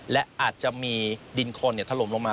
และอาจจะมีดินคนถล่มลงมา